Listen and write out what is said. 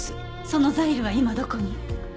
そのザイルは今どこに？